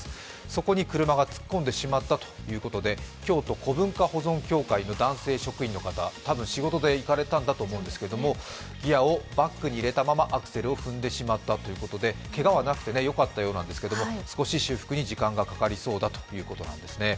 そこに車が突っ込んでしまったということで京都古文化保存協会の男性職員の方、多分仕事で行かれたんだと思いますけれどもギヤをバックに入れたままアクセルを踏んでしまったということで、けがはなくてよかったようなんですけれども、少し修復に時間がかかりそうだということなんですね。